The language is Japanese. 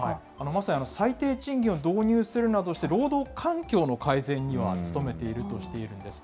まさに最低賃金を導入するなどして、労働環境の改善には努めているとしているんです。